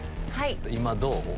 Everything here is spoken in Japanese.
今どう？